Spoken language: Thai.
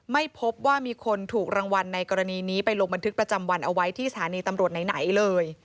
ไม่พบว่ามีคนถูกรางวัลในกรณีนี้ไปลงบันทึกประจำวันเอาไว้ที่สถานีตำรวจไหนเลย